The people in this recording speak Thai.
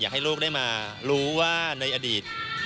ให้ลูกได้มารู้ว่าในอดีต